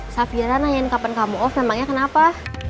safiran nanyain kapan kamu off emangnya kenapa